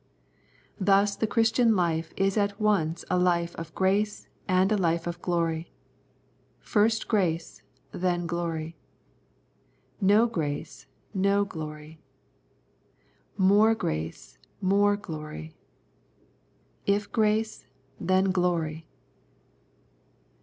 Thus the Christian life is at once a life of Grace and a life of Glory. " First Grace, then Glory." "No Grace, no Glory." " More Grace, more Glory." " If Grace, then Glory."